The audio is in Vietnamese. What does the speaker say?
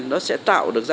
nó sẽ tạo được ra